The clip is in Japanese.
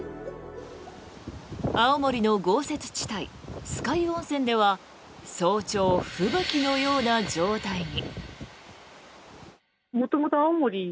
青森の豪雪地帯・酸ヶ湯温泉では早朝、吹雪のような状態に。